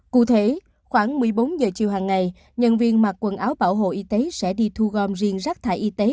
cụ thể khoảng một mươi bốn giờ chiều hàng ngày nhân viên mặc quần áo bảo hộ y tế sẽ đi thu gom riêng rác thải y tế